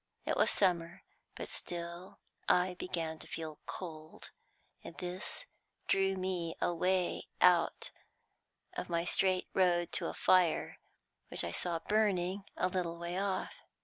It was summer, but still I began to feel cold, and this drew me away out of my straight road to a fire which I saw burning a little way off.